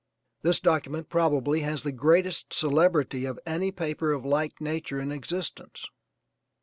This document probably has the greatest celebrity of any paper of like nature in existence.